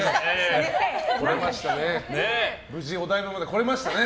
来れましたね。